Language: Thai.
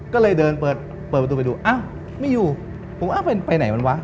ก็เลยเดินเปิดประตูไปดูไม่อยู่ไปไหนมันวะ